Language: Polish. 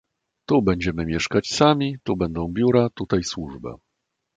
"Tu będziemy mieszkać sami, tu będą biura, tutaj służba."